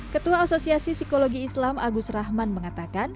ketua asosiasi psikologi islam agus rahman mengatakan